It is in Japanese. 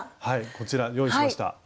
はいこちら用意しました。